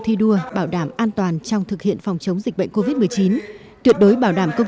thi đua bảo đảm an toàn trong thực hiện phòng chống dịch bệnh covid một mươi chín tuyệt đối bảo đảm công